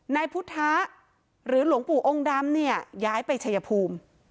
นายพุทธะหรือหลวงปู่องค์ดำเนี่ยย้ายไปชัยภูมิ